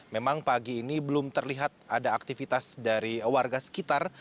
memang pagi ini belum terlihat ada aktivitas dari warga sekitar